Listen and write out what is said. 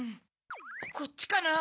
こっちかな？